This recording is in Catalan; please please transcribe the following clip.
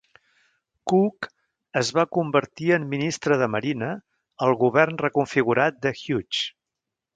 Cook es va convertir en ministre de Marina al govern reconfigurat de Hughes.